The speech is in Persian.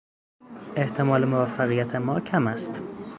احتمال موفقیت ما کم است.